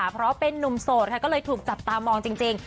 เพราะเป็นนุ่มโสดค่ะก็เลยถูกจับตามองจริง